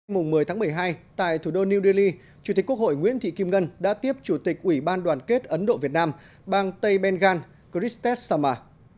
mùng một mươi tháng một mươi hai tại thủ đô new delhi chủ tịch quốc hội nguyễn thị kim ngân đã tiếp chủ tịch ủy ban đoàn kết ấn độ việt nam bang tây bengal christe sama